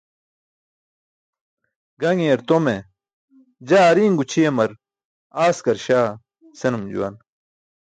Gaṅiyar tome, "jaa ari̇n gućʰiyamar askarśaa" senum juwan.